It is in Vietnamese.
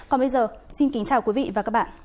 còn bây giờ xin kính chào quý vị và các bạn